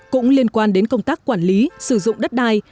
cũng liên quan đến công tác quản lý sử dụng đất đai